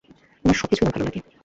তোমার সব কিছুই আমার ভালো লাগে।